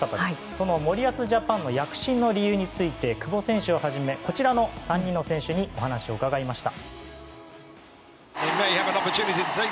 その森保ジャパンの躍進の理由について久保選手をはじめこちらの３人の選手にお話を伺いました。